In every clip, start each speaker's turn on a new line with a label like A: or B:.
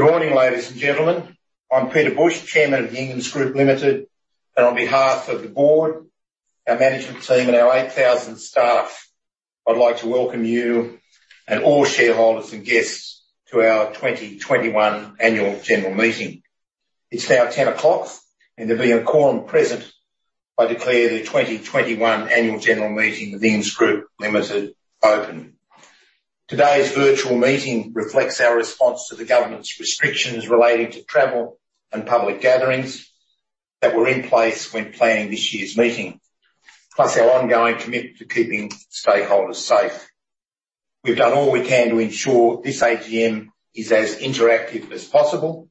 A: Good morning, ladies and gentlemen. I'm Peter Bush, Chairman of the Inghams Group Limited, and on behalf of the board, our management team, and our 8,000 staff, I'd like to welcome you and all shareholders and guests to our 2021 annual general meeting. It's now 10:00 A.M., and there being a quorum present, I declare the 2021 annual general meeting of the Inghams Group Limited open. Today's virtual meeting reflects our response to the government's restrictions relating to travel and public gatherings that were in place when planning this year's meeting, plus our ongoing commitment to keeping stakeholders safe. We've done all we can to ensure this AGM is as interactive as possible,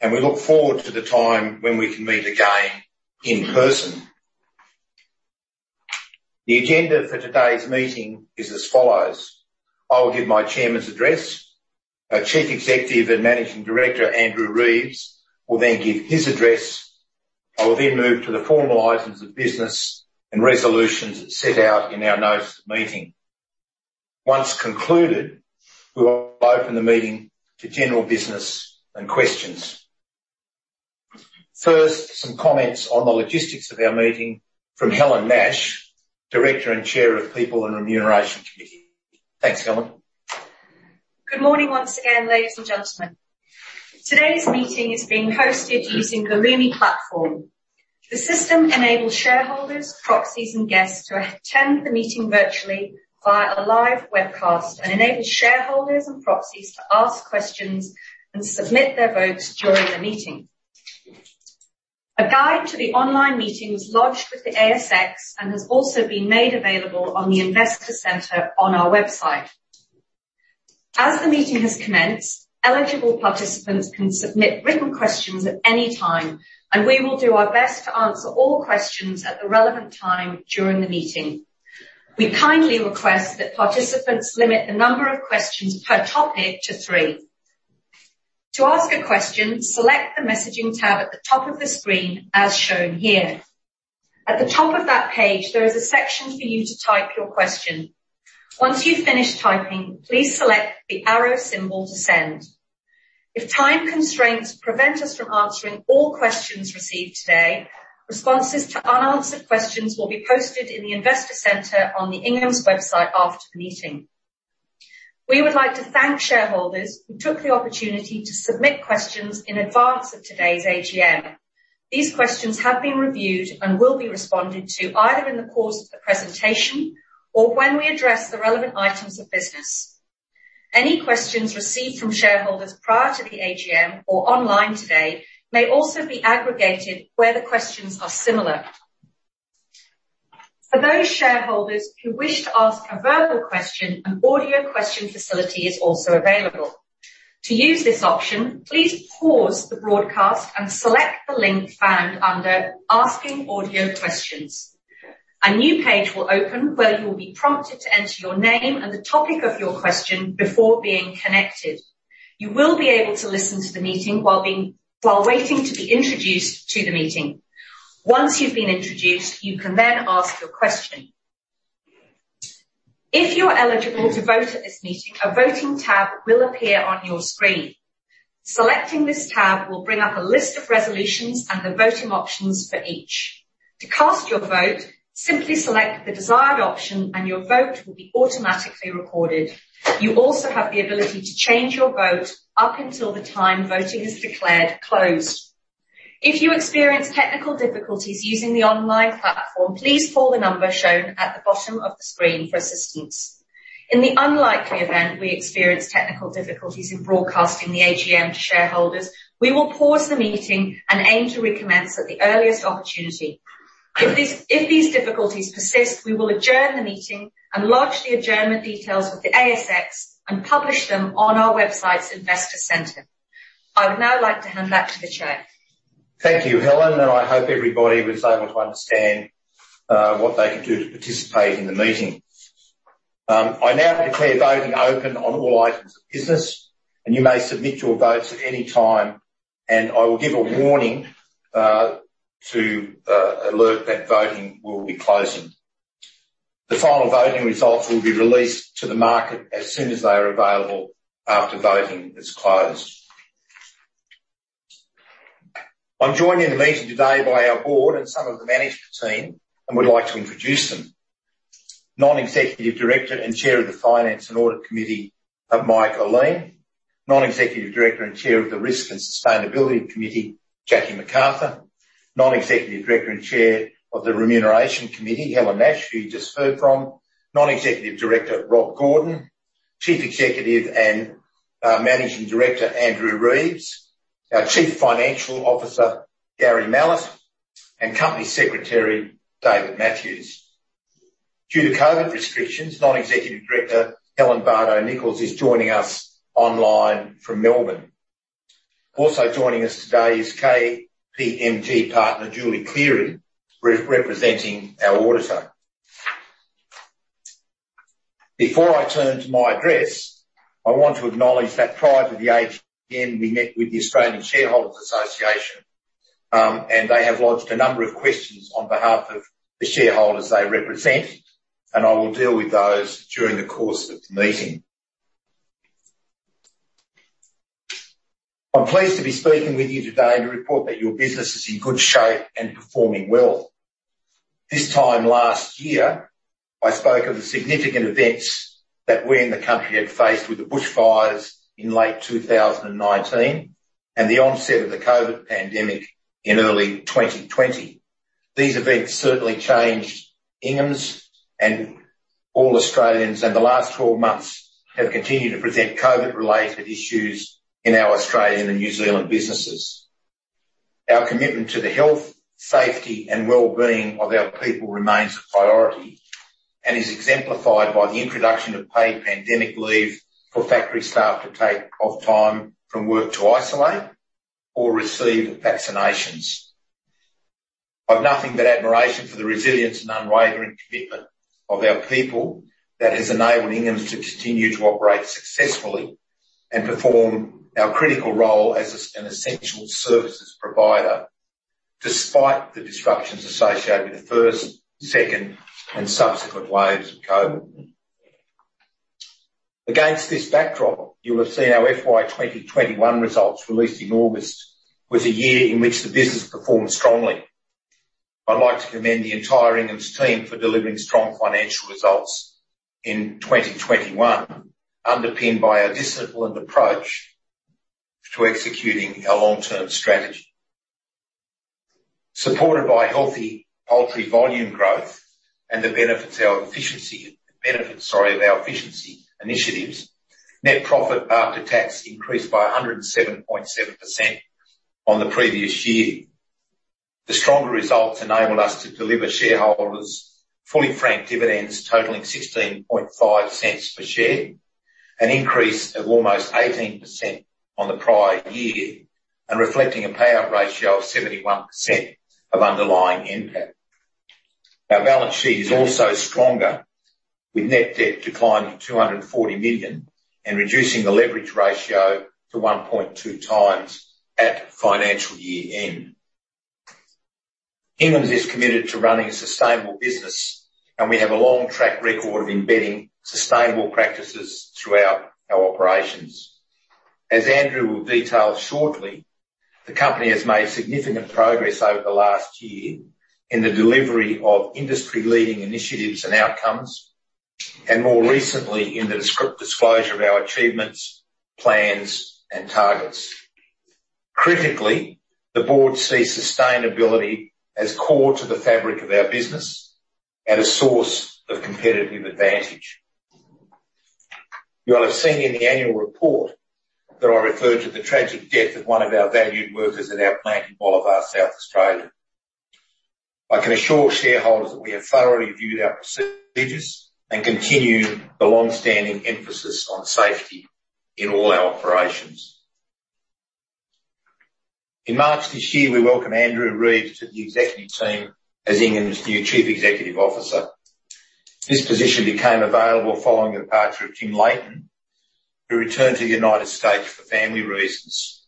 A: and we look forward to the time when we can meet again in person. The agenda for today's meeting is as follows. I will give my chairman's address. Our Chief Executive and Managing Director, Andrew Reeves, will then give his address. I will then move to the formal items of business and resolutions as set out in our Notice of Meeting. Once concluded, we will open the meeting to general business and questions. First, some comments on the logistics of our meeting from Helen Nash, Director and Chair of People and Remuneration Committee. Thanks, Helen.
B: Good morning once again, ladies and gentlemen. Today's meeting is being hosted using the Lumi platform. The system enables shareholders, proxies, and guests to attend the meeting virtually via a live webcast and enables shareholders and proxies to ask questions and submit their votes during the meeting. A guide to the online meeting was lodged with the ASX and has also been made available on the Investor Centre on our website. As the meeting has commenced, eligible participants can submit written questions at any time, and we will do our best to answer all questions at the relevant time during the meeting. We kindly request that participants limit the number of questions per topic to three. To ask a question, select the Messaging tab at the top of the screen as shown here. At the top of that page, there is a section for you to type your question. Once you've finished typing, please select the arrow symbol to send. If time constraints prevent us from answering all questions received today, responses to unanswered questions will be posted in the Investor Centre on the Inghams website after the meeting. We would like to thank shareholders who took the opportunity to submit questions in advance of today's AGM. These questions have been reviewed and will be responded to either in the course of the presentation or when we address the relevant items of business. Any questions received from shareholders prior to the AGM or online today may also be aggregated where the questions are similar. For those shareholders who wish to ask a verbal question, an audio question facility is also available. To use this option, please pause the broadcast and select the link found under Asking Audio Questions. A new page will open where you will be prompted to enter your name and the topic of your question before being connected. You will be able to listen to the meeting while waiting to be introduced to the meeting. Once you've been introduced, you can then ask your question. If you're eligible to vote at this meeting, a Voting tab will appear on your screen. Selecting this tab will bring up a list of resolutions and the voting options for each. To cast your vote, simply select the desired option and your vote will be automatically recorded. You also have the ability to change your vote up until the time voting is declared closed. If you experience technical difficulties using the online platform, please call the number shown at the bottom of the screen for assistance. In the unlikely event we experience technical difficulties in broadcasting the AGM to shareholders, we will pause the meeting and aim to recommence at the earliest opportunity. If these difficulties persist, we will adjourn the meeting and lodge the adjournment details with the ASX and publish them on our website's Investor Centre. I would now like to hand back to the Chair.
A: Thank you, Helen, and I hope everybody was able to understand what they can do to participate in the meeting. I now declare voting open on all items of business, and you may submit your votes at any time, and I will give a warning to alert that voting will be closing. The final voting results will be released to the market as soon as they are available after voting has closed. I'm joined in the meeting today by our board and some of the management team and would like to introduce them. Non-Executive Director and Chair of the Finance and Audit Committee, Michael Ihlein. Non-Executive Director and Chair of the Risk and Sustainability Committee, Jackie McArthur. Non-Executive Director and Chair of the Remuneration Committee, Helen Nash, who you just heard from. Non-Executive Director, Rob Gordon. Chief Executive and Managing Director, Andrew Reeves. Our Chief Financial Officer, Gary Mallett, and Company Secretary, David Matthews. Due to COVID restrictions, Non-Executive Director, Linda Bardo Nicholls, is joining us online from Melbourne. Also joining us today is KPMG Partner Julie Cleary, representing our auditor. Before I turn to my address, I want to acknowledge that prior to the AGM, we met with the Australian Shareholders' Association, and they have lodged a number of questions on behalf of the shareholders they represent, and I will deal with those during the course of the meeting. I'm pleased to be speaking with you today to report that your business is in good shape and performing well. This time last year, I spoke of the significant events that we in the country had faced with the bushfires in late 2019, and the onset of the COVID pandemic in early 2020. These events certainly changed Inghams and all Australians, and the last 12 months have continued to present COVID-related issues in our Australian and New Zealand businesses. Our commitment to the health, safety, and well-being of our people remains a priority, and is exemplified by the introduction of paid pandemic leave for factory staff to take off time from work to isolate or receive vaccinations. I've nothing but admiration for the resilience and unwavering commitment of our people that has enabled Inghams to continue to operate successfully and perform our critical role as an essential services provider, despite the disruptions associated with the first, second and subsequent waves of COVID. Against this backdrop, you will have seen our FY 2021 results released in August, was a year in which the business performed strongly. I'd like to commend the entire Inghams team for delivering strong financial results in 2021, underpinned by a disciplined approach to executing our long-term strategy. Supported by healthy poultry volume growth and the benefits of our efficiency initiatives, net profit after tax increased by 107.7% on the previous year. The stronger results enabled us to deliver shareholders fully franked dividends totaling 0.165 per share, an increase of almost 18% on the prior year, and reflecting a payout ratio of 71% of underlying NPAT. Our balance sheet is also stronger, with net debt declining 240 million and reducing the leverage ratio to 1.2 times at financial year-end. Inghams is committed to running a sustainable business, and we have a long track record of embedding sustainable practices throughout our operations. As Andrew will detail shortly, the company has made significant progress over the last year in the delivery of industry-leading initiatives and outcomes, and more recently in the disclosure of our achievements, plans, and targets. Critically, the board sees sustainability as core to the fabric of our business and a source of competitive advantage. You will have seen in the annual report that I referred to the tragic death of one of our valued workers at our plant in Bolivar, South Australia. I can assure shareholders that we have thoroughly reviewed our procedures and continue the long-standing emphasis on safety in all our operations. In March this year, we welcomed Andrew Reeves to the executive team as Inghams's new Chief Executive Officer. This position became available following the departure of Jim Leighton, who returned to the United States for family reasons.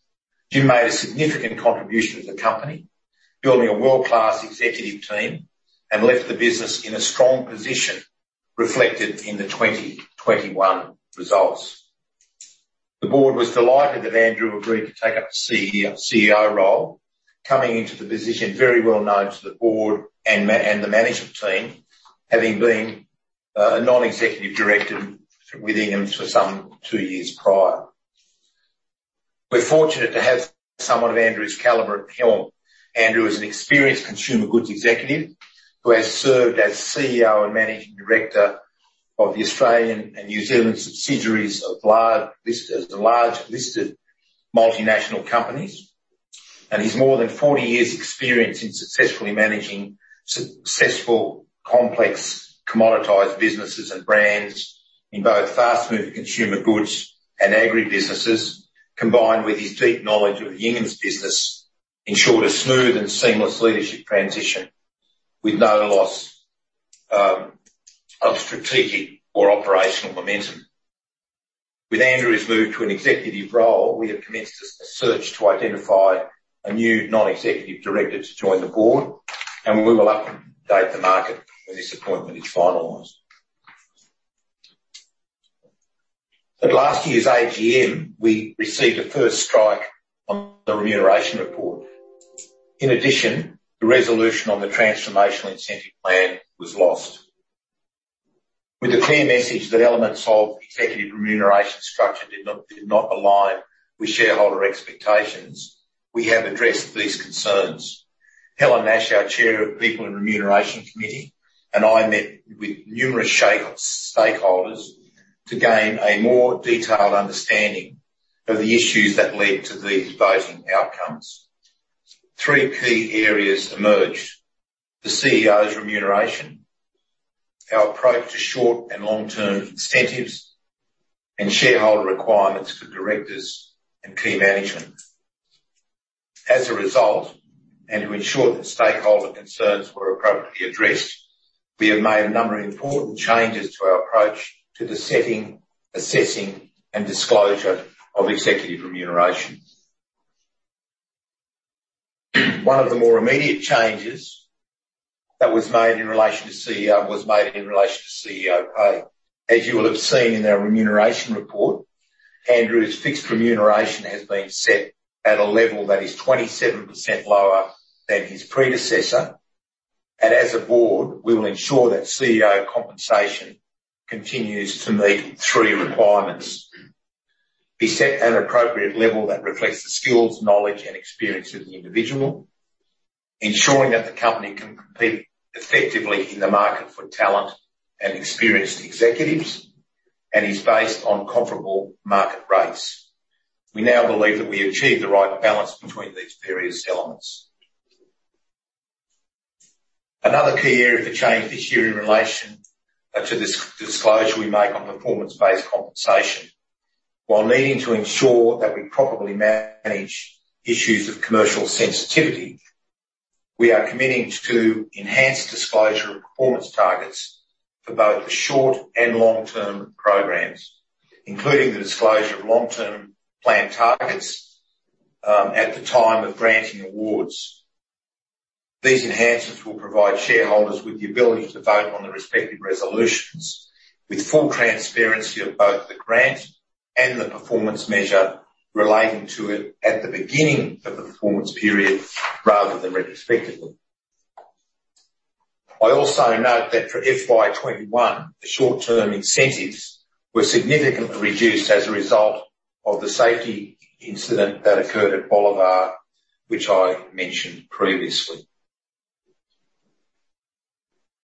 A: Jim made a significant contribution to the company, building a world-class executive team, and left the business in a strong position reflected in the 2021 results. The board was delighted that Andrew agreed to take up the CEO role, coming into the position very well known to the board and the management team, having been a non-executive director with Inghams for some two years prior. We're fortunate to have someone of Andrew's caliber at helm. Andrew is an experienced consumer goods executive who has served as CEO and Managing Director of the Australian and New Zealand subsidiaries of large listed multinational companies, and his more than 40 years' experience in successfully managing complex commoditized businesses and brands in both fast-moving consumer goods and agri businesses, combined with his deep knowledge of the Inghams business, ensured a smooth and seamless leadership transition with no loss of strategic or operational momentum. With Andrew's move to an executive role, we have commenced a search to identify a new non-executive director to join the board, and we will update the market when this appointment is finalized. At last year's AGM, we received a first strike on the remuneration report. In addition, the resolution on the Transformational Incentive Plan was lost. With the clear message that elements of executive remuneration structure did not align with shareholder expectations, we have addressed these concerns. Helen Nash, our Chair of the Remuneration Committee, and I met with numerous stakeholders to gain a more detailed understanding of the issues that led to these voting outcomes. Three key areas emerged: the CEO's remuneration, our approach to short and long-term incentives, and shareholder requirements for directors and key management. As a result, and to ensure that stakeholder concerns were appropriately addressed, we have made a number of important changes to our approach to the setting, assessing, and disclosure of executive remuneration. One of the more immediate changes that was made in relation to CEO pay. As you will have seen in our remuneration report, Andrew's fixed remuneration has been set at a level that is 27% lower than his predecessor. As a board, we will ensure that CEO compensation continues to meet three requirements, be set at an appropriate level that reflects the skills, knowledge, and experience of the individual, ensuring that the company can compete effectively in the market for talent and experienced executives, and is based on comparable market rates. We now believe that we achieved the right balance between these various elements. Another key area for change this year in relation to this disclosure we make on performance-based compensation. While needing to ensure that we properly manage issues of commercial sensitivity, we are committing to enhance disclosure of performance targets for both the short and long-term programs. Including the disclosure of long-term plan targets at the time of granting awards. These enhancements will provide shareholders with the ability to vote on the respective resolutions with full transparency of both the grant and the performance measure relating to it at the beginning of the performance period rather than retrospectively. I also note that for FY 2021, the short-term incentives were significantly reduced as a result of the safety incident that occurred at Bolivar, which I mentioned previously.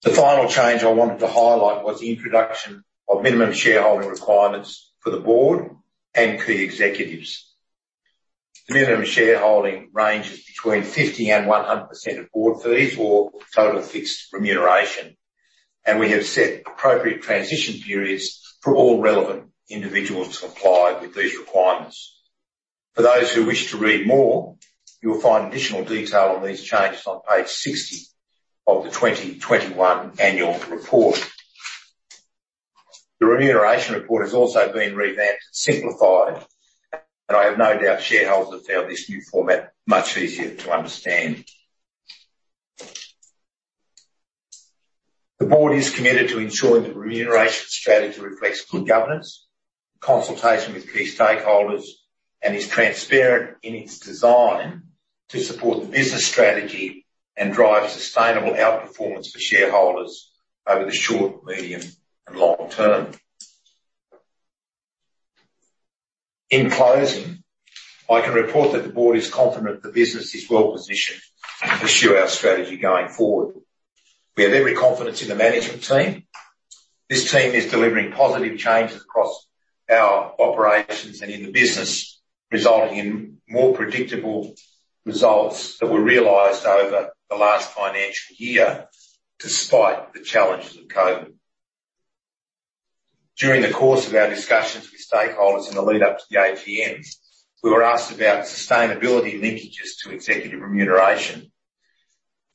A: The final change I wanted to highlight was the introduction of minimum shareholding requirements for the board and key executives. Minimum shareholding ranges between 50%-100% of board fees or total fixed remuneration, and we have set appropriate transition periods for all relevant individuals to comply with these requirements. For those who wish to read more, you will find additional detail on these changes on page 60 of the 2021 annual report. The remuneration report has also been revamped and simplified, and I have no doubt shareholders have found this new format much easier to understand. The board is committed to ensuring the remuneration strategy reflects good governance, consultation with key stakeholders, and is transparent in its design to support the business strategy and drive sustainable outperformance for shareholders over the short, medium, and long term. In closing, I can report that the board is confident the business is well positioned to pursue our strategy going forward. We have every confidence in the management team. This team is delivering positive changes across our operations and in the business, resulting in more predictable results that were realized over the last financial year despite the challenges of COVID. During the course of our discussions with stakeholders in the lead up to the AGMs, we were asked about sustainability linkages to executive remuneration.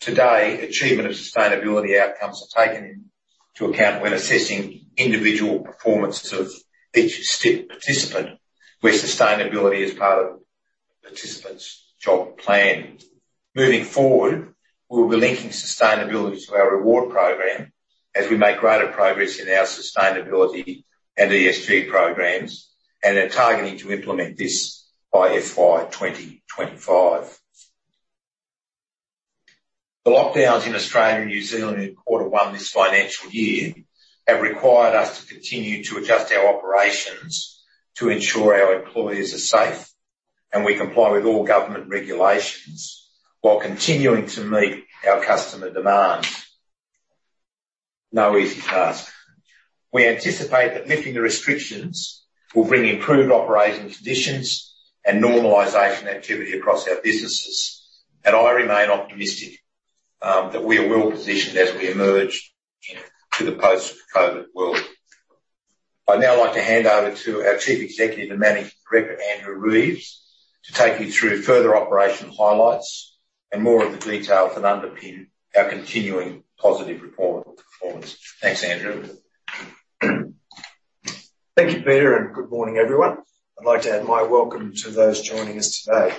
A: Today, achievement of sustainability outcomes are taken into account when assessing individual performances of each STIP participant, where sustainability is part of a participant's job plan. Moving forward, we'll be linking sustainability to our reward program as we make greater progress in our sustainability and ESG programs, and are targeting to implement this by FY 2025. The lockdowns in Australia and New Zealand in quarter one this financial year have required us to continue to adjust our operations to ensure our employees are safe and we comply with all government regulations while continuing to meet our customer demands. No easy task. We anticipate that lifting the restrictions will bring improved operating conditions and normalization activity across our businesses. I remain optimistic, that we are well positioned as we emerge into the post-COVID world. I'd now like to hand over to our Chief Executive and Managing Director, Andrew Reeves, to take you through further operational highlights and more of the details that underpin our continuing positive performance. Thanks, Andrew.
C: Thank you, Peter, and good morning, everyone. I'd like to add my welcome to those joining us today.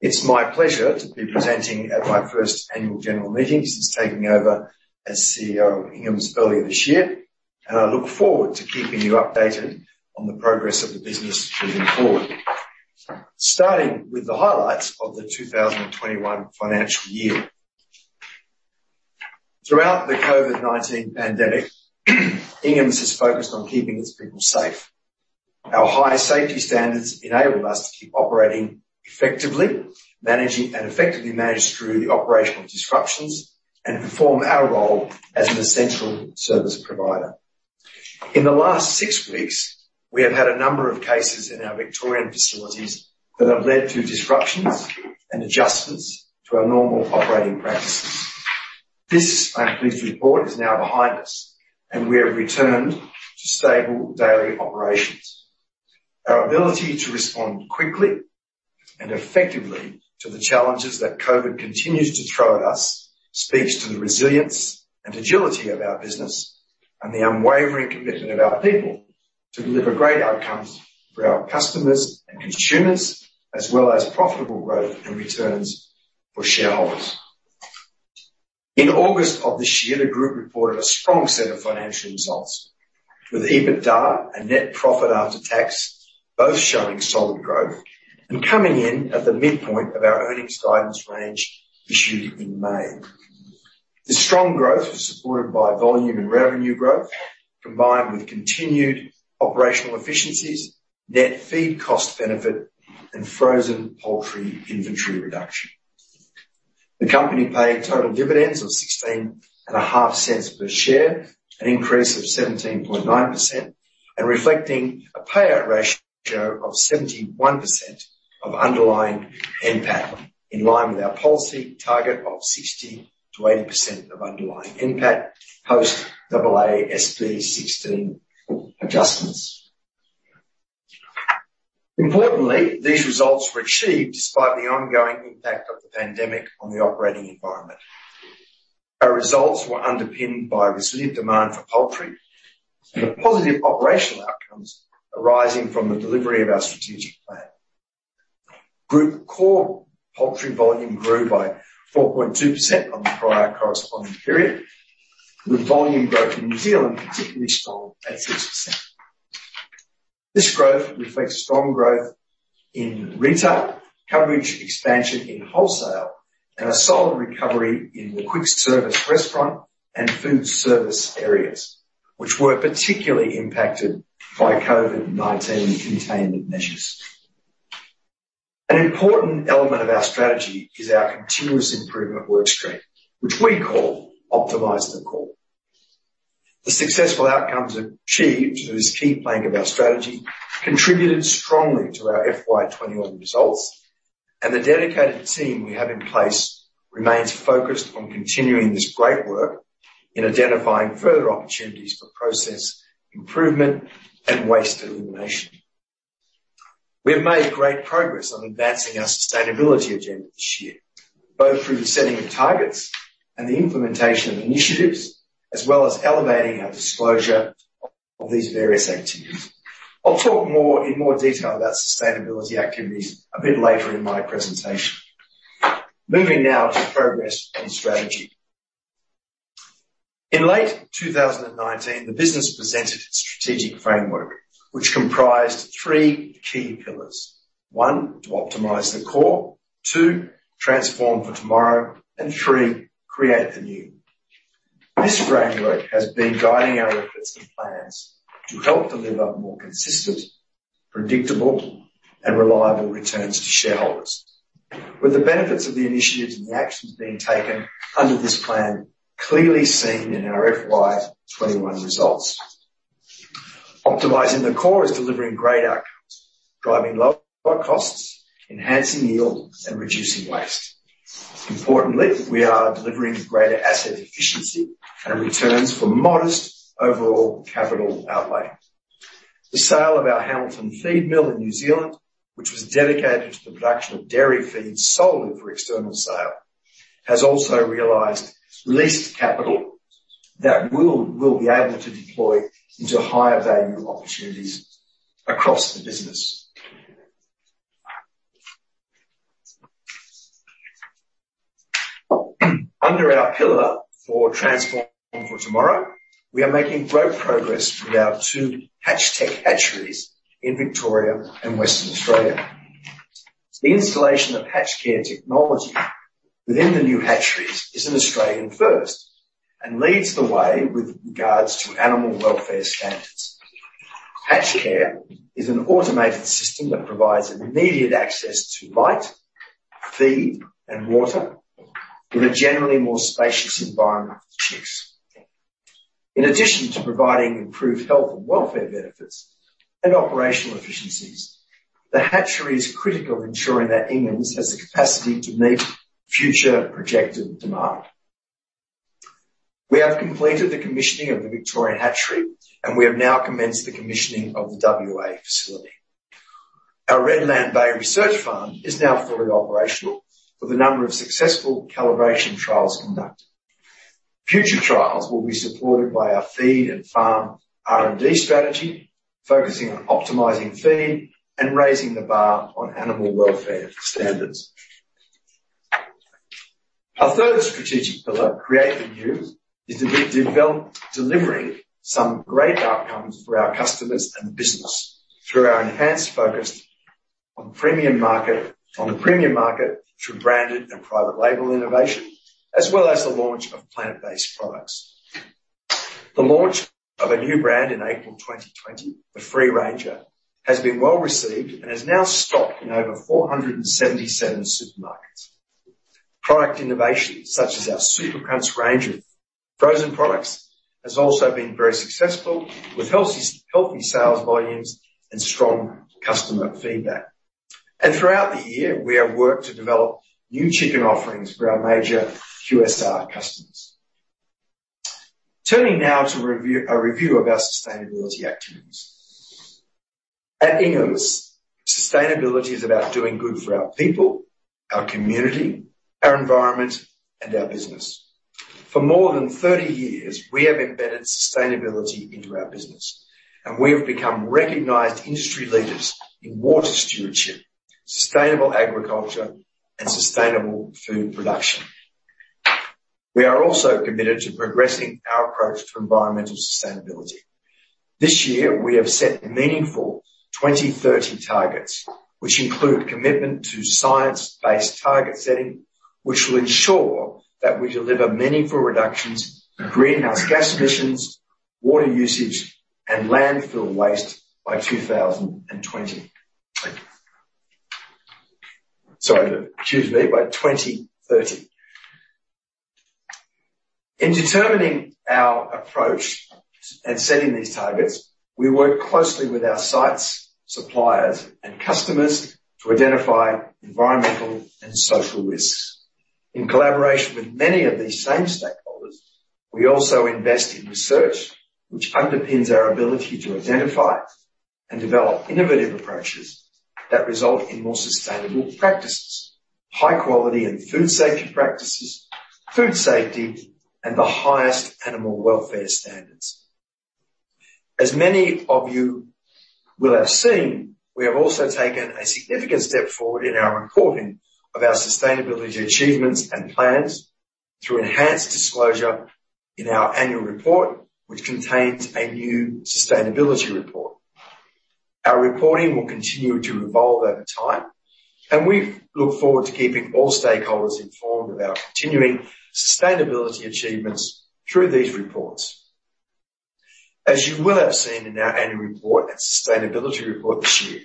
C: It's my pleasure to be presenting at my first annual general meeting since taking over as CEO of Inghams earlier this year, and I look forward to keeping you updated on the progress of the business moving forward. Starting with the highlights of the 2021 financial year. Throughout the COVID-19 pandemic, Inghams has focused on keeping its people safe. Our high safety standards enabled us to keep operating effectively, managing and effectively managing through the operational disruptions and perform our role as an essential service provider. In the last 6 weeks, we have had a number of cases in our Victorian facilities that have led to disruptions and adjustments to our normal operating practices. This, I'm pleased to report, is now behind us and we have returned to stable daily operations. Our ability to respond quickly and effectively to the challenges that COVID continues to throw at us speaks to the resilience and agility of our business and the unwavering commitment of our people to deliver great outcomes for our customers and consumers, as well as profitable growth and returns for shareholders. In August of this year, the group reported a strong set of financial results with EBITDA and net profit after tax both showing solid growth and coming in at the midpoint of our earnings guidance range issued in May. The strong growth was supported by volume and revenue growth, combined with continued operational efficiencies, net feed cost benefit, and frozen poultry inventory reduction. The company paid total dividends of 0.165 per share, an increase of 17.9% and reflecting a payout ratio of 71% of underlying NPAT, in line with our policy target of 60%-80% of underlying NPAT post AASB 16 adjustments. Importantly, these results were achieved despite the ongoing impact of the pandemic on the operating environment. Our results were underpinned by resilient demand for poultry and positive operational outcomes arising from the delivery of our strategic plan. Group core poultry volume grew by 4.2% on the prior corresponding period, with volume growth in New Zealand particularly strong at 6%. This growth reflects strong growth in retail, coverage expansion in wholesale, and a solid recovery in the quick service restaurant and food service areas, which were particularly impacted by COVID-19 containment measures. An important element of our strategy is our continuous improvement work stream, which we call Optimizing the Core. The successful outcomes achieved through this key plank of our strategy contributed strongly to our FY 2021 results, and the dedicated team we have in place remains focused on continuing this great work in identifying further opportunities for process improvement and waste elimination. We have made great progress on advancing our sustainability agenda this year, both through the setting of targets and the implementation of initiatives, as well as elevating our disclosure of these various activities. I'll talk more in more detail about sustainability activities a bit later in my presentation. Moving now to progress and strategy. In late 2019, the business presented its strategic framework, which comprised three key pillars. One, to Optimize the Core. Two, Transform for Tomorrow. Three, Create the New. This framework has been guiding our efforts and plans to help deliver more consistent, predictable, and reliable returns to shareholders. The benefits of the initiatives and the actions being taken under this plan are clearly seen in our FY 2021 results. Optimizing the Core is delivering great outcomes, driving lower costs, enhancing yield, and reducing waste. Importantly, we are delivering greater asset efficiency and returns for modest overall capital outlay. The sale of our Hamilton feed mill in New Zealand, which was dedicated to the production of dairy feed solely for external sale, has also realized leased capital that we'll be able to deploy into higher value opportunities across the business. Under our pillar for transform for tomorrow, we are making great progress with our two HatchTech hatcheries in Victoria and Western Australia. The installation of HatchCare technology within the new hatcheries is an Australian first and leads the way with regards to animal welfare standards. HatchCare is an automated system that provides immediate access to light, feed, and water in a generally more spacious environment for the chicks. In addition to providing improved health and welfare benefits and operational efficiencies, the hatchery is critical in ensuring that Inghams has the capacity to meet future projected demand. We have completed the commissioning of the Victorian hatchery, and we have now commenced the commissioning of the WA facility. Our Redland Bay research farm is now fully operational with a number of successful calibration trials conducted. Future trials will be supported by our feed and farm R&D strategy, focusing on optimizing feed and raising the bar on animal welfare standards. Our third strategic pillar, create the new, is delivering some great outcomes for our customers and the business through our enhanced focus on the premium market through branded and private label innovation, as well as the launch of plant-based products. The launch of a new brand in April 2020, The Free Ranger, has been well-received and is now stocked in over 477 supermarkets. Product innovation, such as our Super Crunch range of frozen products, has also been very successful with healthy sales volumes and strong customer feedback. Throughout the year, we have worked to develop new chicken offerings for our major QSR customers. Turning now to a review of our sustainability activities. At Inghams, sustainability is about doing good for our people, our community, our environment, and our business. For more than 30 years, we have embedded sustainability into our business, and we have become recognized industry leaders in water stewardship, sustainable agriculture, and sustainable food production. We are also committed to progressing our approach to environmental sustainability. This year we have set meaningful 2030 targets, which include commitment to science-based target setting, which will ensure that we deliver meaningful reductions in greenhouse gas emissions, water usage, and landfill waste by 2020. Sorry, excuse me, by 2030. In determining our approach and setting these targets, we work closely with our sites, suppliers, and customers to identify environmental and social risks. In collaboration with many of these same stakeholders, we also invest in research which underpins our ability to identify and develop innovative approaches that result in more sustainable practices, high quality, and food safety practices, and the highest animal welfare standards. As many of you will have seen, we have also taken a significant step forward in our reporting of our sustainability achievements and plans through enhanced disclosure in our annual report, which contains a new sustainability report. Our reporting will continue to evolve over time, and we look forward to keeping all stakeholders informed about our continuing sustainability achievements through these reports. As you will have seen in our annual report and sustainability report this year,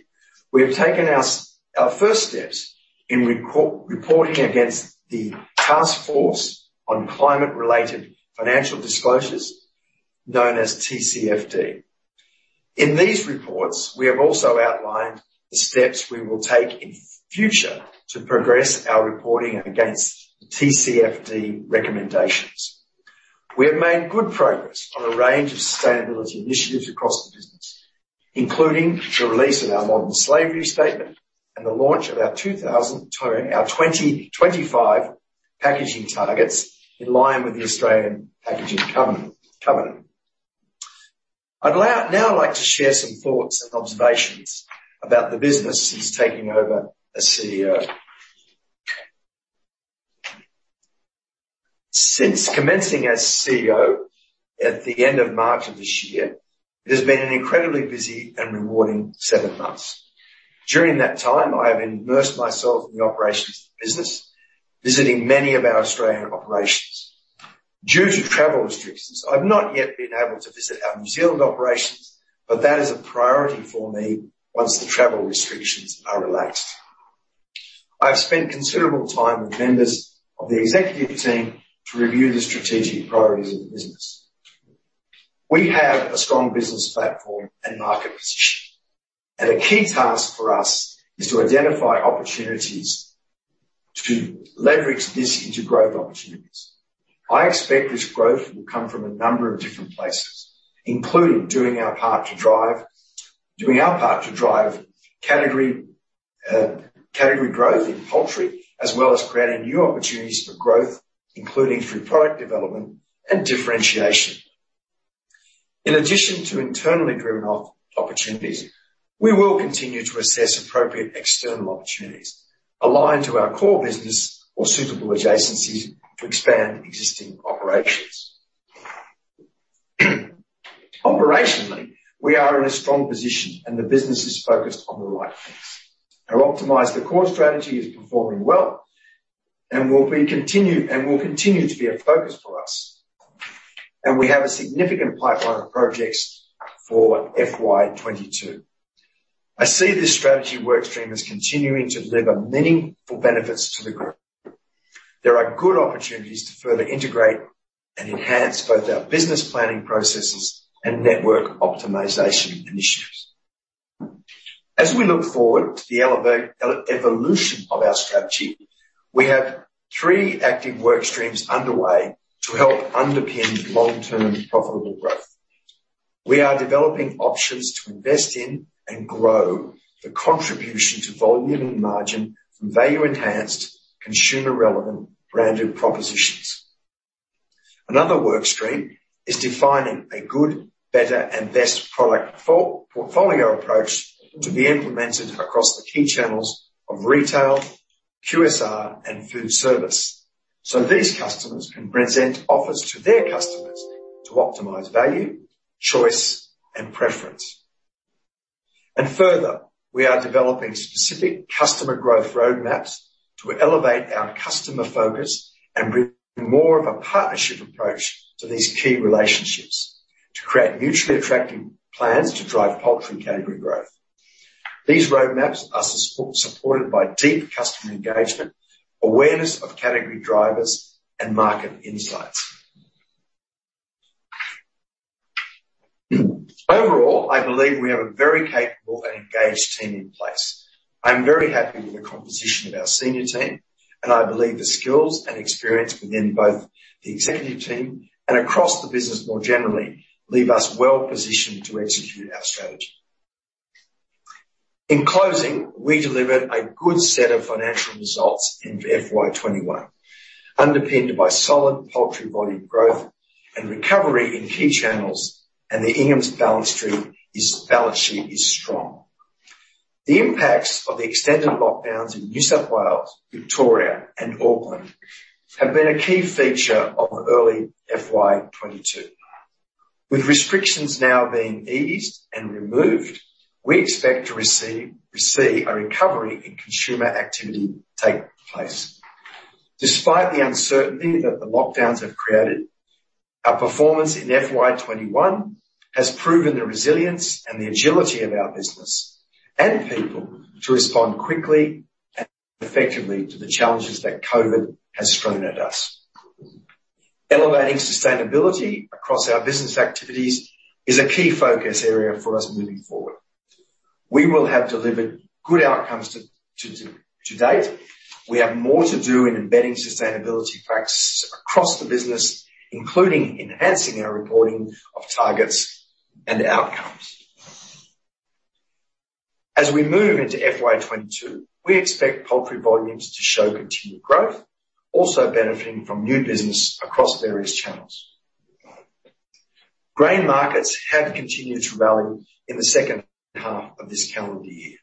C: we have taken our first steps in reporting against the Task Force on Climate-related Financial Disclosures, known as TCFD. In these reports, we have also outlined the steps we will take in future to progress our reporting against TCFD recommendations. We have made good progress on a range of sustainability initiatives across the business, including the release of our modern slavery statement and the launch of our 2025 packaging targets in line with the Australian Packaging Covenant. I'd now like to share some thoughts and observations about the business since taking over as CEO. Since commencing as CEO at the end of March of this year, it has been an incredibly busy and rewarding seven months. During that time, I have immersed myself in the operations of the business, visiting many of our Australian operations. Due to travel restrictions, I've not yet been able to visit our New Zealand operations, but that is a priority for me once the travel restrictions are relaxed. I have spent considerable time with members of the executive team to review the strategic priorities of the business. We have a strong business platform and market position, and a key task for us is to identify opportunities to leverage this into growth opportunities. I expect this growth will come from a number of different places, including doing our part to drive category growth in poultry, as well as creating new opportunities for growth, including through product development and differentiation. In addition to internally driven opportunities, we will continue to assess appropriate external opportunities aligned to our core business or suitable adjacencies to expand existing operations. Operationally, we are in a strong position, and the business is focused on the right things. Our Optimizing the Core strategy is performing well and will continue to be a focus for us. We have a significant pipeline of projects for FY 2022. I see this strategy work stream as continuing to deliver meaningful benefits to the group. There are good opportunities to further integrate and enhance both our business planning processes and network optimization initiatives. As we look forward to the evolution of our strategy, we have three active work streams underway to help underpin long-term profitable growth. We are developing options to invest in and grow the contribution to volume and margin from value-enhanced consumer-relevant branded propositions. Another work stream is defining a good, better, and best product portfolio approach to be implemented across the key channels of retail, QSR, and food service, so these customers can present offers to their customers to optimize value, choice, and preference. Further, we are developing specific customer growth roadmaps to elevate our customer focus and bring more of a partnership approach to these key relationships to create mutually attractive plans to drive poultry category growth. These roadmaps are supported by deep customer engagement, awareness of category drivers, and market insights. Overall, I believe we have a very capable and engaged team in place. I'm very happy with the composition of our senior team, and I believe the skills and experience within both the executive team and across the business more generally leave us well-positioned to execute our strategy. In closing, we delivered a good set of financial results in FY 2021, underpinned by solid poultry volume growth and recovery in key channels, and the Inghams balance sheet is strong. The impacts of the extended lockdowns in New South Wales, Victoria, and Auckland have been a key feature of early FY 2022. With restrictions now being eased and removed, we expect to see a recovery in consumer activity take place. Despite the uncertainty that the lockdowns have created, our performance in FY 2021 has proven the resilience and the agility of our business and people to respond quickly and effectively to the challenges that COVID has thrown at us. Elevating sustainability across our business activities is a key focus area for us moving forward. We have delivered good outcomes to date. We have more to do in embedding sustainability practices across the business, including enhancing our reporting of targets and outcomes. As we move into FY 2022, we expect poultry volumes to show continued growth, also benefiting from new business across various channels. Grain markets have continued to rally in the second half of this calendar year.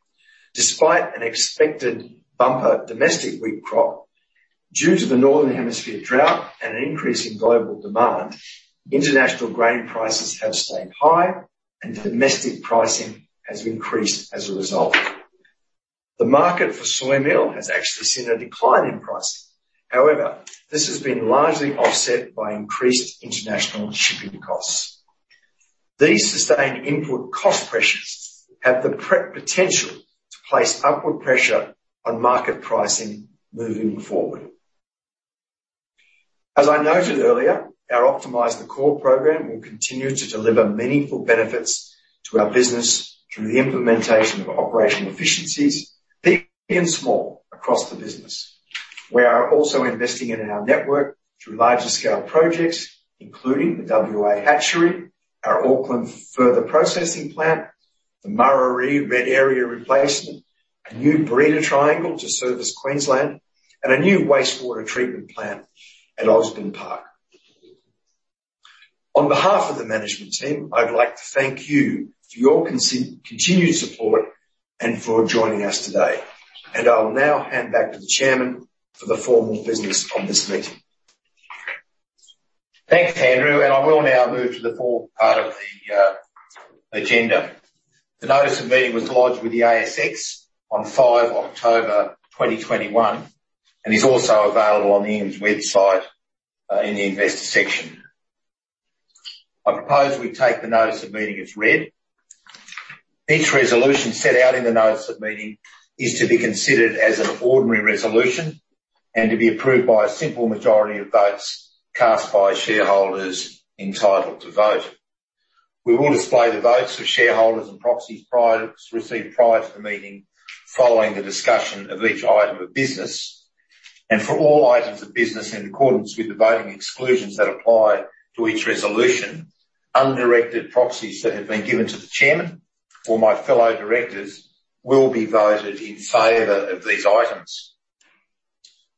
C: Despite an expected bumper domestic wheat crop, due to the Northern Hemisphere drought and an increase in global demand, international grain prices have stayed high, and domestic pricing has increased as a result. The market for soy meal has actually seen a decline in pricing. However, this has been largely offset by increased international shipping costs. These sustained input cost pressures have the potential to place upward pressure on market pricing moving forward. As I noted earlier, our Optimizing the Core program will continue to deliver meaningful benefits to our business through the implementation of operational efficiencies, big and small, across the business. We are also investing in our network through larger scale projects, including the WA hatchery, our Auckland further processing plant, the Murarrie red area replacement, a new breeder triangle to service Queensland, and a new wastewater treatment plant at Osborne Park. On behalf of the management team, I'd like to thank you for your continued support and for joining us today, and I'll now hand back to the chairman for the formal business of this meeting.
A: Thanks, Andrew, and I will now move to the fourth part of the agenda. The notice of meeting was lodged with the ASX on 5 October 2021, and is also available on the Inghams website in the investor section. I propose we take the notice of meeting as read. Each resolution set out in the notice of meeting is to be considered as an ordinary resolution and to be approved by a simple majority of votes cast by shareholders entitled to vote. We will display the votes for shareholders and proxies received prior to the meeting following the discussion of each item of business. For all items of business in accordance with the voting exclusions that apply to each resolution, undirected proxies that have been given to the chairman or my fellow directors will be voted in favor of these items.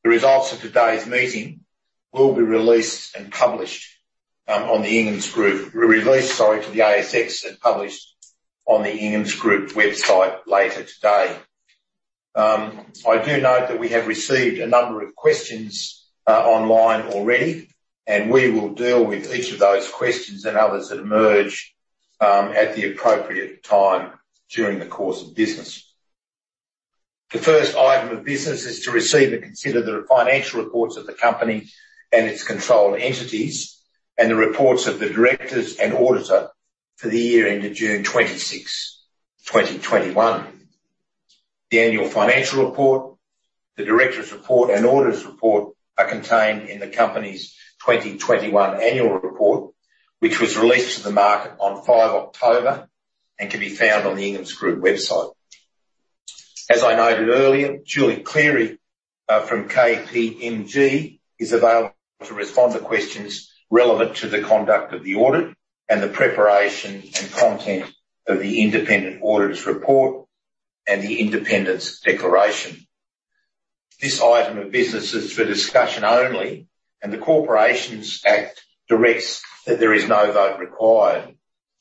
A: The results of today's meeting will be released and published to the ASX and published on the Inghams Group website later today. I do note that we have received a number of questions online already, and we will deal with each of those questions and others that emerge at the appropriate time during the course of business. The first item of business is to receive and consider the financial reports of the company and its controlled entities, and the reports of the directors and auditor for the year ended 30 June 2021. The annual financial report, the directors' report, and auditors' report are contained in the company's 2021 annual report, which was released to the market on 5 October and can be found on the Inghams Group website. As I noted earlier, Julie Cleary from KPMG is available to respond to questions relevant to the conduct of the audit and the preparation and content of the independent auditor's report and the independence declaration. This item of business is for discussion only, and the Corporations Act directs that there is no vote required.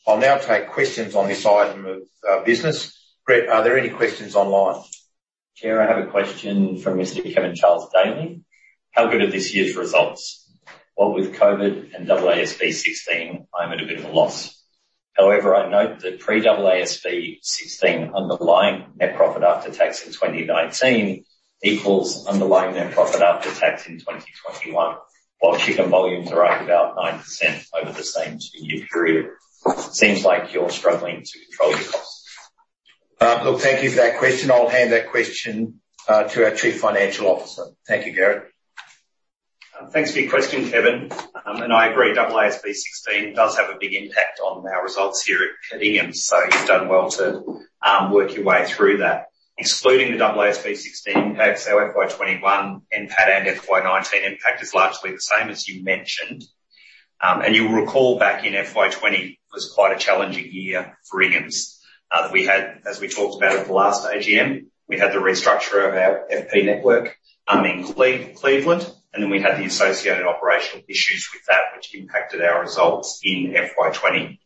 A: I'll now take questions on this item of business. Brett, are there any questions online?
D: Chair, I have a question from Mr. Kevin Charles Daley: How good are this year's results? What with COVID and AASB 16, I'm at a bit of a loss. However, I note that pre-AASB 16 underlying net profit after tax in 2019 equals underlying net profit after tax in 2021, while chicken volumes are up about 9% over the same two-year period. Seems like you're struggling to control your costs.
A: Look, thank you for that question. I'll hand that question to our Chief Financial Officer. Thank you, Gary.
E: Thanks for your question, Kevin. I agree, AASB 16 does have a big impact on our results here at Inghams. You've done well to work your way through that. Excluding the AASB 16 impact, so FY 2021 NPAT and FY 2019 impact is largely the same as you mentioned. You'll recall back in FY 2020 was quite a challenging year for Inghams that we had, as we talked about at the last AGM, we had the restructure of our FP network in Cleveland, and then we had the associated operational issues with that which impacted our results in FY 2020.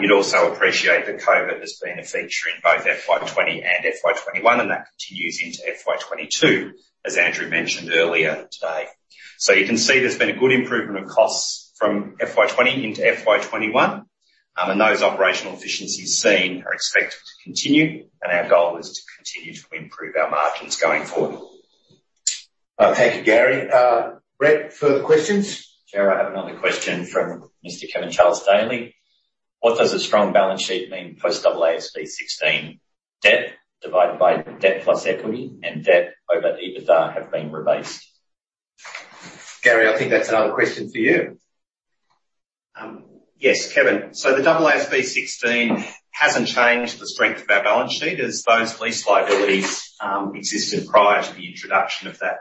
E: You'd also appreciate that COVID has been a feature in both FY 2020 and FY 2021, and that continues into FY 2022, as Andrew mentioned earlier today. You can see there's been a good improvement of costs from FY 2020 into FY 2021. Those operational efficiencies seen are expected to continue, and our goal is to continue to improve our margins going forward.
A: Thank you, Gary. Brett, further questions?
D: Chair, I have another question from Mr. Kevin Charles Daley. What does a strong balance sheet mean post AASB 16? Debt divided by debt plus equity and debt over EBITDA have been rebased.
A: Gary, I think that's another question for you.
E: Yes, Kevin. The AASB 16 hasn't changed the strength of our balance sheet as those lease liabilities existed prior to the introduction of that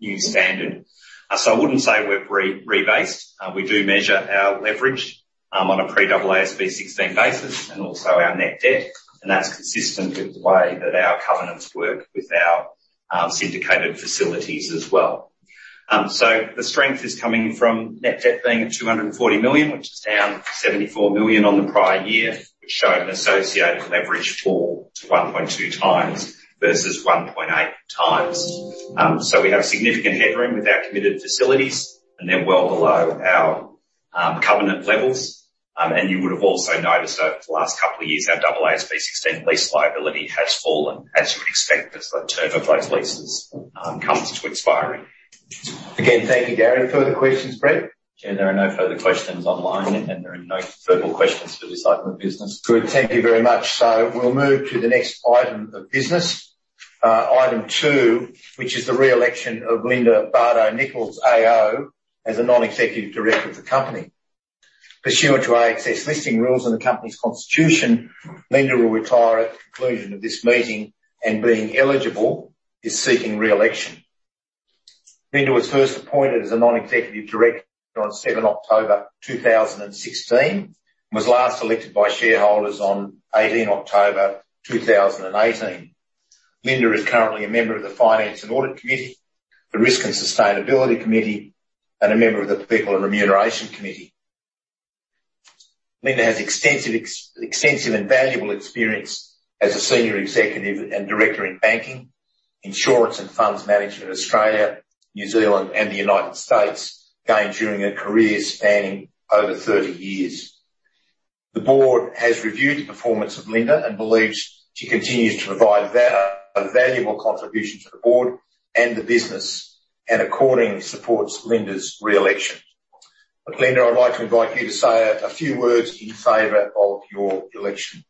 E: new standard. I wouldn't say we're rebased. We do measure our leverage on a pre-AASB 16 basis and also our net debt, and that's consistent with the way that our covenants work with our syndicated facilities as well. The strength is coming from net debt being at 240 million, which is down 74 million on the prior year, which show an associated leverage fall to 1.2 times versus 1.8 times. We have significant headroom with our committed facilities, and they're well below our covenant levels. You would have also noticed over the last couple of years, our AASB 16 lease liability has fallen, as you would expect, as the term of those leases comes to expiry.
A: Again, thank you, Gary. Further questions, Brett?
D: Chair, there are no further questions online, and there are no verbal questions for this item of business.
A: Good. Thank you very much. We'll move to the next item of business, item two, which is the re-election of Linda Bardo Nicholls, AO, as a Non-Executive Director of the company. Pursuant to ASX Listing Rules and the company's constitution, Linda will retire at the conclusion of this meeting and being eligible, is seeking re-election. Linda was first appointed as a Non-Executive Director on 7 October 2016, and was last elected by shareholders on 18 October 2018. Linda is currently a member of the Finance and Audit Committee, the Risk and Sustainability Committee, and a member of the People and Remuneration Committee. Linda has extensive and valuable experience as a senior executive and director in banking, insurance, and funds management in Australia, New Zealand, and the United States, gained during a career spanning over 30 years. The board has reviewed the performance of Linda and believes she continues to provide a valuable contribution to the board and the business, and accordingly supports Linda's re-election. Linda, I'd like to invite you to say a few words in favor of your election.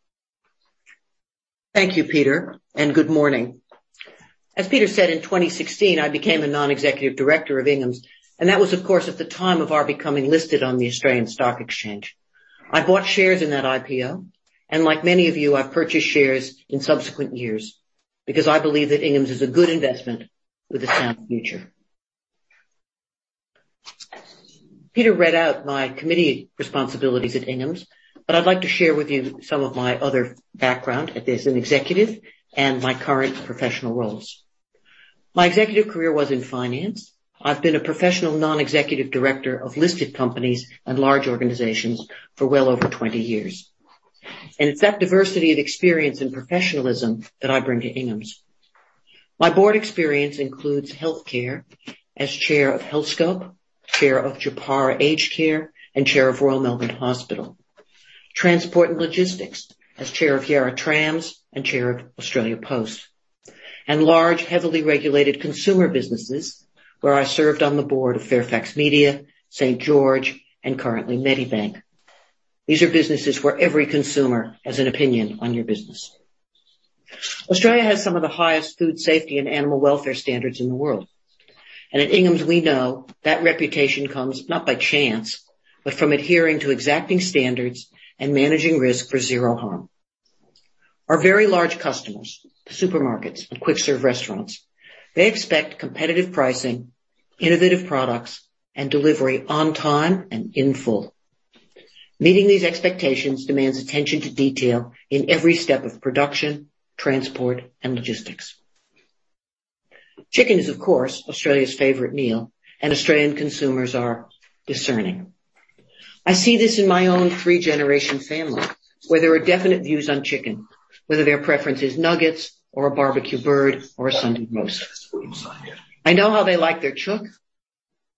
F: Thank you, Peter, and good morning. As Peter said, in 2016, I became a non-executive director of Inghams, and that was, of course, at the time of our becoming listed on the Australian Securities Exchange. I bought shares in that IPO, and like many of you, I've purchased shares in subsequent years because I believe that Inghams is a good investment with a sound future. Peter read out my committee responsibilities at Inghams, but I'd like to share with you some of my other background as an executive and my current professional roles. My executive career was in finance. I've been a professional non-executive director of listed companies and large organizations for well over 20 years. It's that diversity of experience and professionalism that I bring to Inghams. My board experience includes healthcare as Chair of Healthscope, Chair of Japara Healthcare, and Chair of Royal Melbourne Hospital. Transport and logistics as Chair of Yarra Trams and Chair of Australia Post. Large, heavily regulated consumer businesses where I served on the board of Fairfax Media, St.George, and currently Medibank. These are businesses where every consumer has an opinion on your business. Australia has some of the highest food safety and animal welfare standards in the world. At Inghams, we know that reputation comes not by chance, but from adhering to exacting standards and managing risk for zero harm. Our very large customers, the supermarkets and quick-serve restaurants, they expect competitive pricing, innovative products, and delivery on time and in full. Meeting these expectations demands attention to detail in every step of production, transport, and logistics. Chicken is, of course, Australia's favorite meal, and Australian consumers are discerning. I see this in my own three-generation family, where there are definite views on chicken, whether their preference is nuggets or a barbecue bird or a Sunday roast. I know how they like their chook.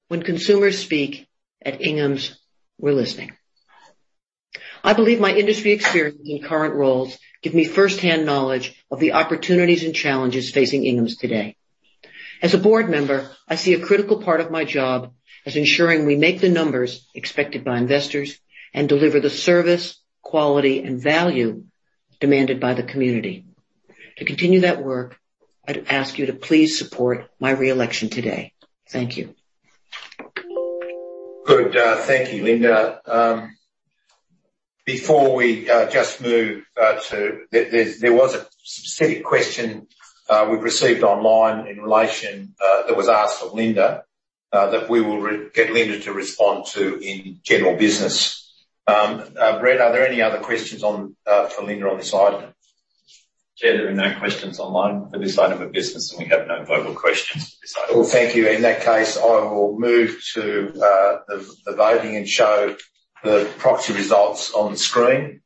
F: When consumers speak at Inghams, we're listening. I believe my industry experience and current roles give me first-hand knowledge of the opportunities and challenges facing Inghams today. As a board member, I see a critical part of my job as ensuring we make the numbers expected by investors and deliver the service, quality, and value. Demanded by the community. To continue that work, I'd ask you to please support my re-election today. Thank you.
A: Good. Thank you, Linda. There was a specific question we've received online in relation that was asked of Linda that we will get Linda to respond to in general business. Brett, are there any other questions on or for Linda on this item?
D: Chair, there are no questions online for this item of business, and we have no verbal questions for this item.
A: Well, thank you. In that case, I will move to the voting and show the proxy results on screen,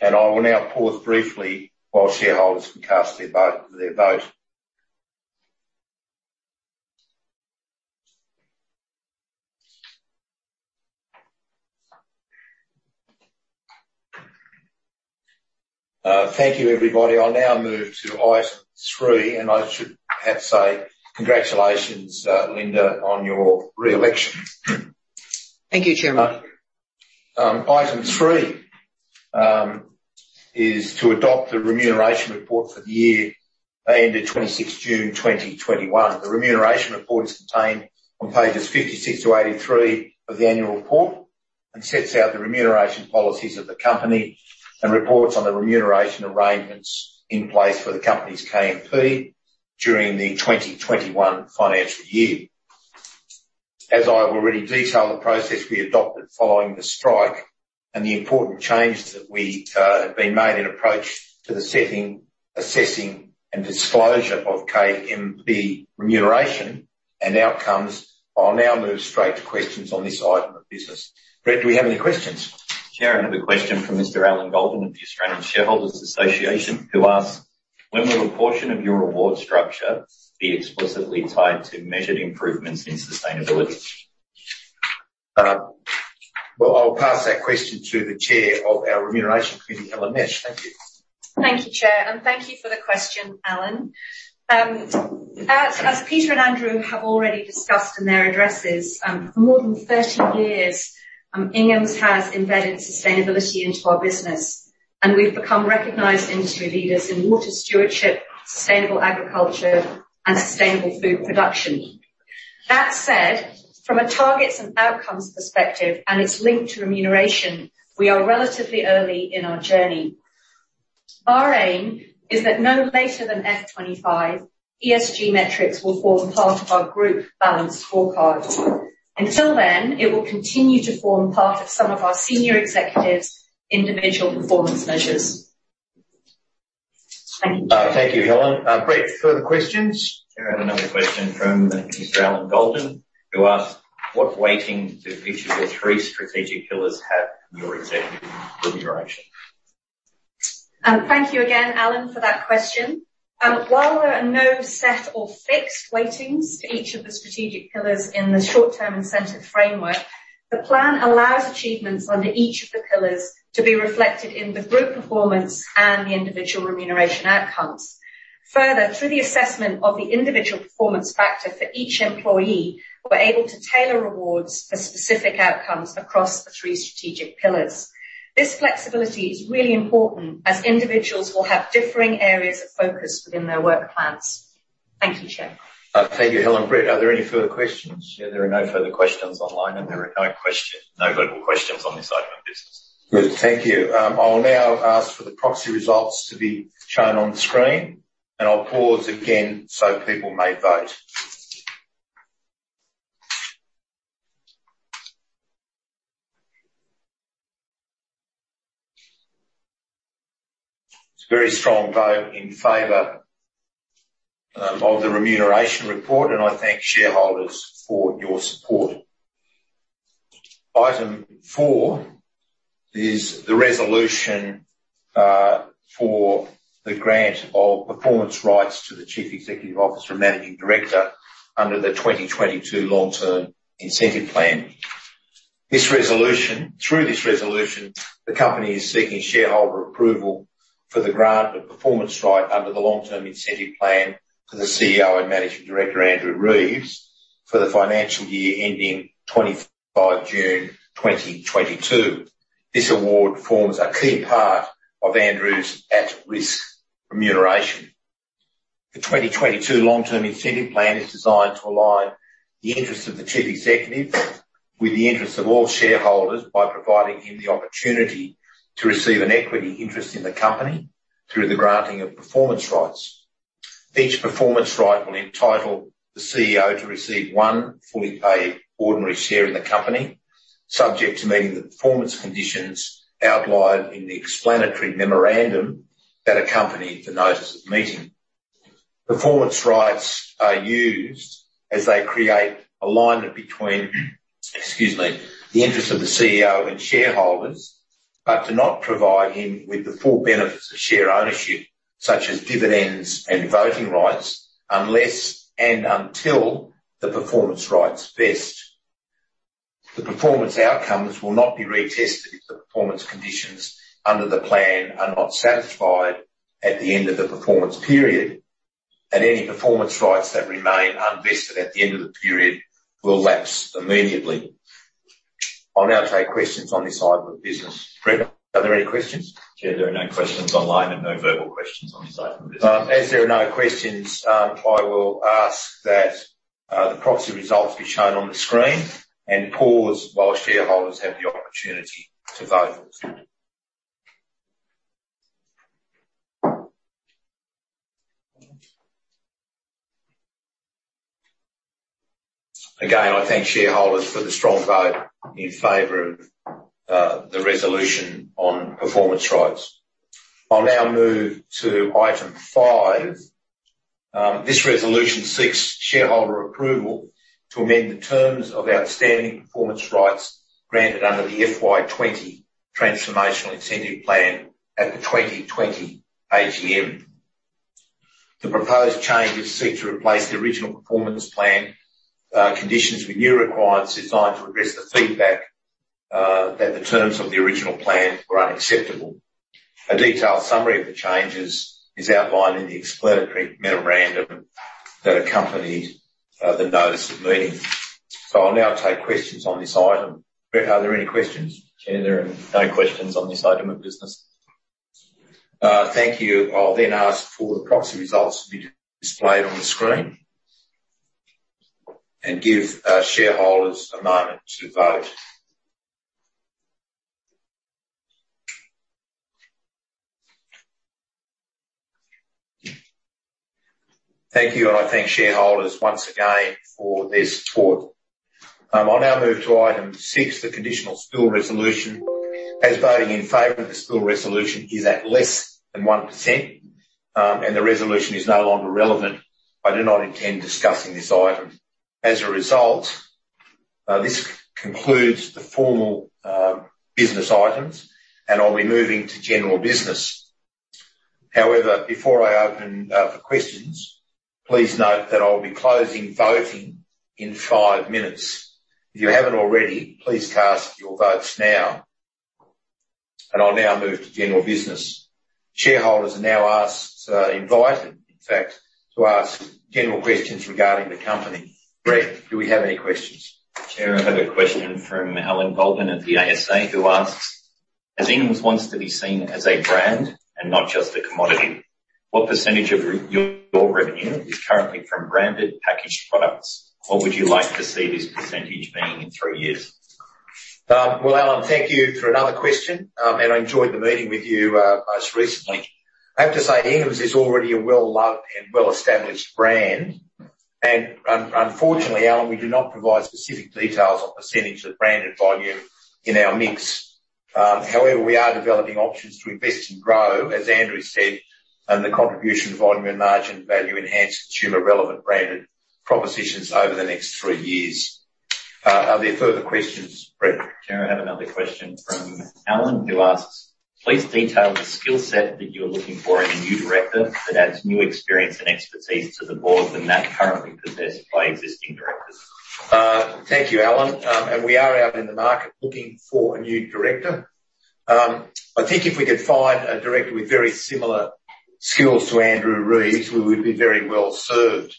A: and I will now pause briefly while shareholders can cast their vote. Thank you, everybody. I'll now move to item three, and I should perhaps say congratulations, Linda, on your re-election.
F: Thank you, Chair.
A: Item three is to adopt the remuneration report for the year ended 26th June 2021. The remuneration report is contained on pages 56 to 83 of the annual report and sets out the remuneration policies of the company and reports on the remuneration arrangements in place for the company's KMP during the 2021 financial year. As I've already detailed the process we adopted following the strike and the important changes that we have made in approach to the setting, assessing, and disclosure of KMP remuneration and outcomes, I'll now move straight to questions on this item of business. Brett, do we have any questions?
D: Chair, I have a question from Mr. Alan Goldin of the Australian Shareholders' Association, who asks, "When will a portion of your award structure be explicitly tied to measured improvements in sustainability?
A: I'll pass that question to the Chair of our Remuneration Committee, Helen Nash. Thank you.
B: Thank you, Chair, and thank you for the question, Alan. As Peter and Andrew have already discussed in their addresses, for more than 30 years, Inghams has embedded sustainability into our business, and we've become recognized industry leaders in water stewardship, sustainable agriculture, and sustainable food production. That said, from a targets and outcomes perspective, and its link to remuneration, we are relatively early in our journey. Our aim is that no later than FY 2025, ESG metrics will form part of our group balanced scorecard. Until then, it will continue to form part of some of our senior executives' individual performance measures. Thank you.
A: Thank you, Helen. Brett, further questions?
D: Chair, I have another question from Mr. Alan Goldin, who asks, "What weighting do each of the three strategic pillars have in your executive remuneration?
B: Thank you again, Alan, for that question. While there are no set or fixed weightings to each of the strategic pillars in the short-term incentive framework, the plan allows achievements under each of the pillars to be reflected in the group performance and the individual remuneration outcomes. Further, through the assessment of the individual performance factor for each employee, we're able to tailor rewards for specific outcomes across the three strategic pillars. This flexibility is really important as individuals will have differing areas of focus within their work plans. Thank you, Chair.
A: Thank you, Helen. Brett, are there any further questions?
D: Chair, there are no further questions online, and there are no verbal questions on this item of business.
A: Good. Thank you. I will now ask for the proxy results to be shown on screen, and I'll pause again, so people may vote. It's a very strong vote in favor of the remuneration report, and I thank shareholders for your support. Item four is the resolution for the grant of performance rights to the Chief Executive Officer and Managing Director under the 2022 Long-Term Incentive Plan. Through this resolution, the company is seeking shareholder approval for the grant of performance right under the Long-Term Incentive Plan for the CEO and Managing Director, Andrew Reeves, for the financial year ending 25 June 2022. This award forms a key part of Andrew's at-risk remuneration. The 2022 Long-Term Incentive Plan is designed to align the interests of the Chief Executive with the interests of all shareholders by providing him the opportunity to receive an equity interest in the company through the granting of performance rights. Each performance right will entitle the CEO to receive one fully paid ordinary share in the company, subject to meeting the performance conditions outlined in the explanatory memorandum that accompany the notice of the meeting. Performance rights are used as they create alignment between, excuse me, the interests of the CEO and shareholders, but do not provide him with the full benefits of share ownership, such as dividends and voting rights, unless and until the performance rights vest. The performance outcomes will not be retested if the performance conditions under the plan are not satisfied at the end of the performance period, and any performance rights that remain unvested at the end of the period will lapse immediately. I'll now take questions on this item of business. Brett, are there any questions?
D: Chair, there are no questions online and no verbal questions on this item of business.
A: As there are no questions, I will ask that the proxy results be shown on the screen and pause while shareholders have the opportunity to vote. Again, I thank shareholders for the strong vote in favor of the resolution on performance rights. I'll now move to item five. This resolution seeks shareholder approval to amend the terms of outstanding performance rights granted under the FY 2020 Transformational Incentive Plan at the 2020 AGM. The proposed changes seek to replace the original performance plan conditions with new requirements designed to address the feedback that the terms of the original plan were unacceptable. A detailed summary of the changes is outlined in the explanatory memorandum that accompanied the notice of meeting. I'll now take questions on this item. Brett, are there any questions?
D: Chair, there are no questions on this item of business.
A: Thank you. I'll then ask for the proxy results to be displayed on the screen and give our shareholders a moment to vote. Thank you, and I thank shareholders once again for their support. I'll now move to item six, the conditional spill resolution. As voting in favor of the spill resolution is at less than 1%, and the resolution is no longer relevant, I do not intend discussing this item. As a result, this concludes the formal business items, and I'll be moving to general business. However, before I open for questions, please note that I'll be closing voting in 5 minutes. If you haven't already, please cast your votes now. I'll now move to general business. Shareholders are now asked, invited, in fact, to ask general questions regarding the company. Brett, do we have any questions?
D: Chair, I have a question from Alan Goldin at the ASA, who asks, "As Inghams wants to be seen as a brand and not just a commodity, what percentage of your revenue is currently from branded packaged products? What would you like to see this percentage being in three years?
A: Well, Alan, thank you for another question. I enjoyed the meeting with you, most recently. I have to say Inghams is already a well-loved and well-established brand. Unfortunately, Alan, we do not provide specific details on percentage of branded volume in our mix. However, we are developing options to invest and grow, as Andrew said, the contribution volume and margin value enhanced consumer relevant branded propositions over the next three years. Are there further questions, Brett?
D: Chair, I have another question from Alan, who asks, "Please detail the skill set that you're looking for in a new director that adds new experience and expertise to the board than that currently possessed by existing directors.
A: Thank you, Alan. We are out in the market looking for a new director. I think if we could find a director with very similar skills to Andrew Reeves, we would be very well served.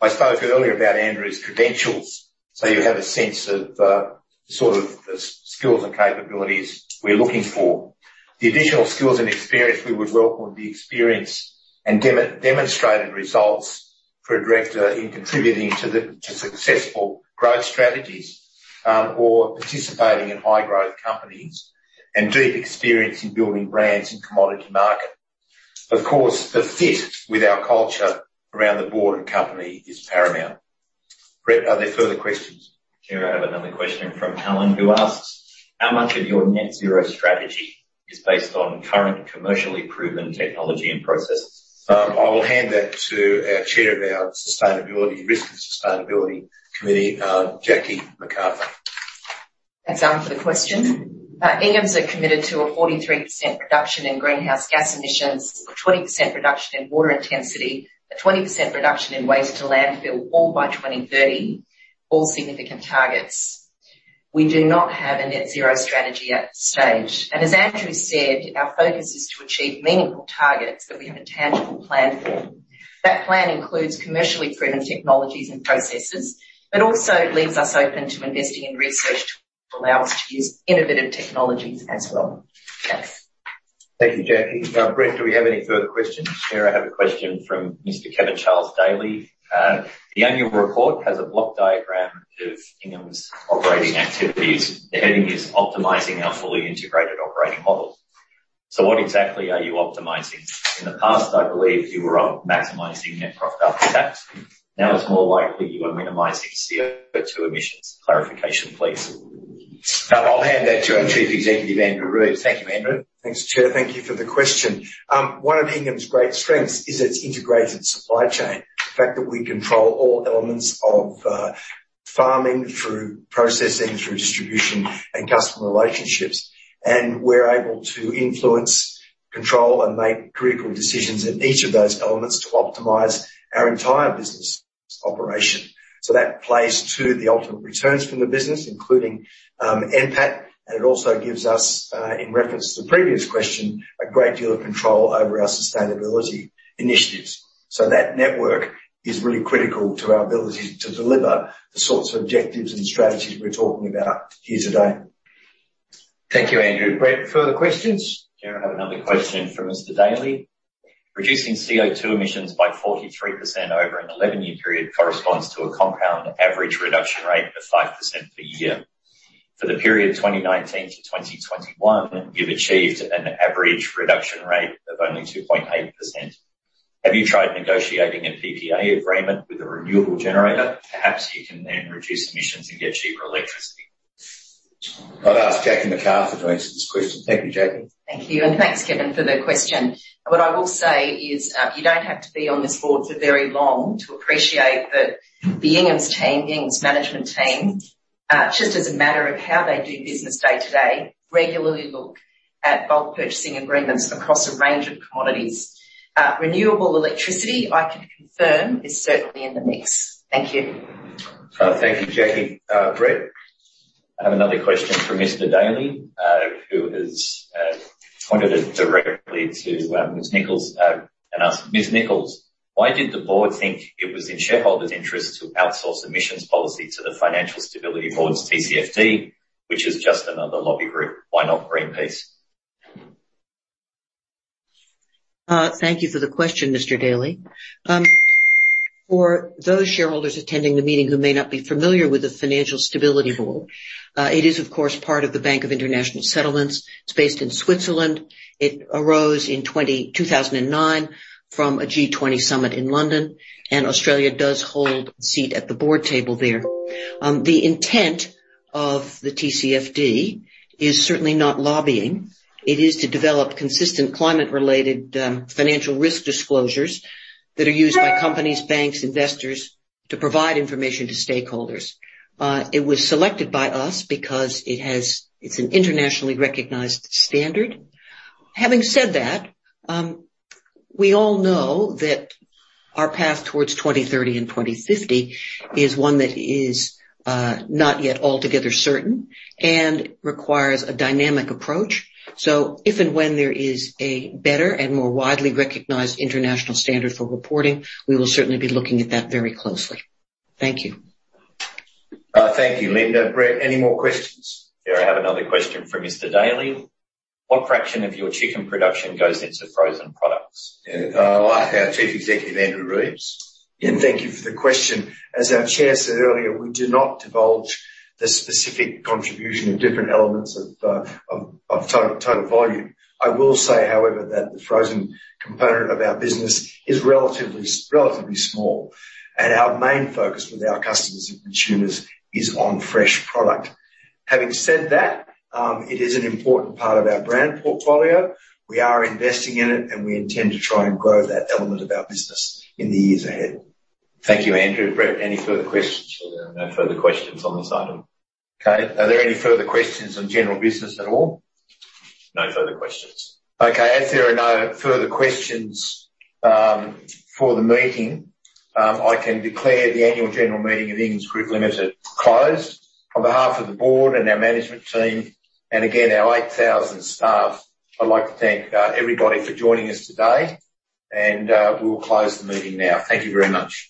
A: I spoke earlier about Andrew's credentials, so you have a sense of the sort of skills and capabilities we're looking for. The additional skills and experience we would welcome would be experience and demonstrated results for a director in contributing to successful growth strategies, or participating in high growth companies and deep experience in building brands in commodity market. Of course, the fit with our culture around the board and company is paramount. Brett, are there further questions?
D: Chair, I have another question from Alan, who asks, "How much of your net zero strategy is based on current commercially proven technology and processes?
A: I will hand that to our Chair of the Risk and Sustainability Committee, Jackie McArthur.
G: Thanks, Alan, for the question. Inghams are committed to a 43% reduction in greenhouse gas emissions, a 20% reduction in water intensity, a 20% reduction in waste to landfill, all by 2030. All significant targets. We do not have a net zero strategy at this stage. As Andrew said, our focus is to achieve meaningful targets that we have a tangible plan for. That plan includes commercially proven technologies and processes, but also leaves us open to investing in research to allow us to use innovative technologies as well. Thanks.
A: Thank you, Jackie. Brett, do we have any further questions?
D: Chair, I have a question from Mr. Kevin Charles Daley. "The annual report has a block diagram of Inghams' operating activities. The heading is Optimizing Our Fully Integrated Operating Model. So what exactly are you optimizing? In the past, I believe you were maximizing net profit after tax. Now it's more like you are minimizing CO2 emissions. Clarification, please.
A: I'll hand that to our Chief Executive, Andrew Reeves. Thank you, Andrew.
C: Thanks, Chair. Thank you for the question. One of Inghams' great strengths is its integrated supply chain. The fact that we control all elements of farming through processing, through distribution and customer relationships, and we're able to influence, control, and make critical decisions in each of those elements to optimize our entire business operation. That plays to the ultimate returns from the business, including NPAT, and it also gives us, in reference to the previous question, a great deal of control over our sustainability initiatives. That network is really critical to our ability to deliver the sorts of objectives and strategies we're talking about here today.
A: Thank you, Andrew. Brett, further questions?
D: Yeah, I have another question from Mr. Daley. Reducing CO₂ emissions by 43% over an 11-year period corresponds to a compound average reduction rate of 5% per year. For the period 2019 to 2021, you've achieved an average reduction rate of only 2.8%. Have you tried negotiating a PPA agreement with a renewable generator? Perhaps you can then reduce emissions and get cheaper electricity.
A: I'll ask Jackie McArthur to answer this question. Thank you, Jackie.
G: Thank you, and thanks, Kevin, for the question. What I will say is, you don't have to be on this board for very long to appreciate that the Inghams team, the Inghams management team, just as a matter of how they do business day-to-day, regularly look at bulk purchasing agreements across a range of commodities. Renewable electricity, I can confirm, is certainly in the mix. Thank you.
A: Thank you, Jackie. Brett.
D: I have another question from Mr. Daley, who has pointed it directly to Ms. Nicholls, and asked, "Ms. Nicholls, why did the board think it was in shareholders' interests to outsource emissions policy to the Financial Stability Board's TCFD, which is just another lobby group? Why not Greenpeace?
F: Thank you for the question, Mr. Daley. For those shareholders attending the meeting who may not be familiar with the Financial Stability Board, it is, of course, part of the Bank for International Settlements. It's based in Switzerland. It arose in 2009 from a G20 summit in London, and Australia does hold a seat at the board table there. The intent of the TCFD is certainly not lobbying. It is to develop consistent climate-related financial risk disclosures that are used by companies, banks, investors, to provide information to stakeholders. It was selected by us because it's an internationally recognized standard. Having said that, we all know that our path towards 2030 and 2050 is one that is not yet altogether certain and requires a dynamic approach. If and when there is a better and more widely recognized international standard for reporting, we will certainly be looking at that very closely. Thank you.
A: Thank you, Linda. Brett, any more questions?
D: Yeah, I have another question from Mr. Daley. What fraction of your chicken production goes into frozen products?
A: Yeah. I'll ask our Chief Executive, Andrew Reeves.
C: Yeah, thank you for the question. As our chair said earlier, we do not divulge the specific contribution of different elements of total volume. I will say, however, that the frozen component of our business is relatively small, and our main focus with our customers and consumers is on fresh product. Having said that, it is an important part of our brand portfolio. We are investing in it, and we intend to try and grow that element of our business in the years ahead.
A: Thank you, Andrew. Brett, any further questions?
D: No further questions on this item.
A: Okay. Are there any further questions on general business at all?
D: No further questions.
A: Okay. As there are no further questions for the meeting, I can declare the annual general meeting of Inghams Group Limited closed. On behalf of the board and our management team, and again, our 8,000 staff, I'd like to thank everybody for joining us today, and we will close the meeting now. Thank you very much.